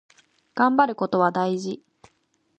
がんばることは大事。